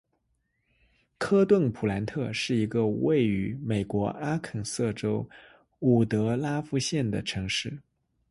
科顿普兰特是一个位于美国阿肯色州伍德拉夫县的城市。